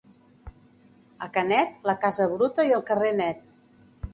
A Canet, la casa bruta i el carrer net.